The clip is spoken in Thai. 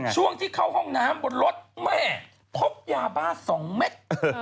ช่วงที่เข้าห้องน้ำบนรถแหมพบยาบาลสองแมต